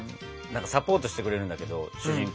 サポートしてくれるんだけど主人公を。